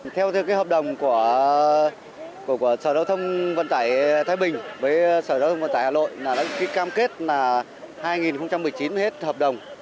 theo hợp đồng của sở giao thông vận tải thái bình với sở giao thông vận tải hà nội cam kết là hai nghìn một mươi chín hết hợp đồng